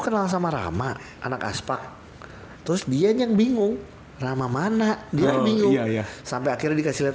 kenal sama rama anak aspa terus dianya bingung rama mana dia bingung sampai akhir dikasih lihat